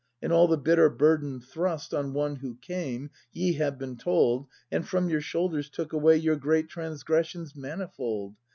And all the bitter burden thrust On One who came, ye have been told. And from your shoulders took away Your great transgressions manifold.